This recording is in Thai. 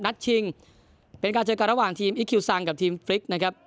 ชิงเป็นการเจอกันระหว่างทีมอิคิวซังกับทีมฟลิกนะครับ